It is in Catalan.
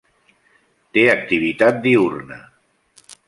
Té activitat diürna.